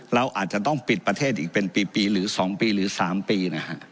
เราอาจจะต้องปิดประเทศอีกเป็นปีหรือ๒ปีหรือ๓ปีนะฮะ